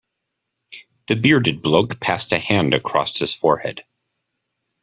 The bearded bloke passed a hand across his forehead.